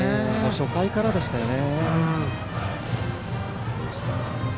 初回からでしたよね。